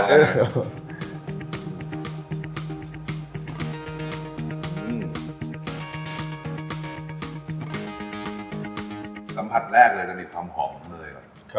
กลับผัดแรกเลยจะมีความหอมของเนย